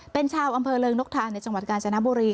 เป็นชาวอำเภอเริงนกทางในจังหวัดกาญจนบุรี